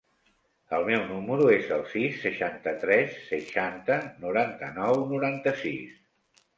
El meu número es el sis, seixanta-tres, seixanta, noranta-nou, noranta-sis.